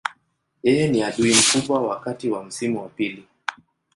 Yeye ni adui mkubwa wakati wa msimu wa pili.